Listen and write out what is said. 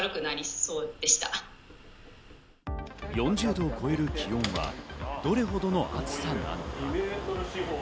４０度を超える気温はどれほどの暑さなのか？